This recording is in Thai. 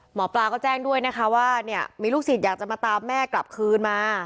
หมอปลาก็แจ้งด้วยนะคะว่าเนี่ยมีลูกศิษย์อยากจะมาตามแม่กลับคืนมา